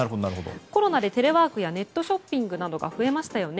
コロナでテレワークやネットショッピングなどが増えましたよね。